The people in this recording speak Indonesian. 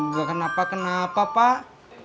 gak kenapa kenapa pak